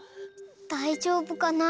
だいじょうぶかな？